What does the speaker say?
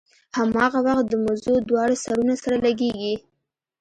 هماغه وخت د مزو دواړه سرونه سره لګېږي.